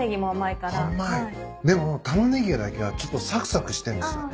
でもタマネギだけがちょっとさくさくしてんですよ。